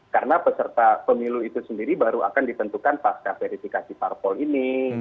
karena peserta pemilu itu sendiri baru akan ditentukan pasca verifikasi parpol ini